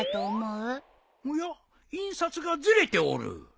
おや印刷がずれておる。